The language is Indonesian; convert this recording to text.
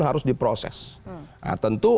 harus diproses nah tentu